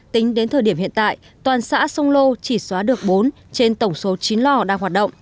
tính đến thời điểm hiện tại toàn xã sông lô chỉ xóa được bốn trên tổng số chín lò đang hoạt động